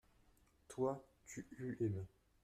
Toi, tu eus aimé.